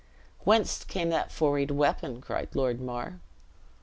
"Whence came that forried weapon?" cried Lord Mar.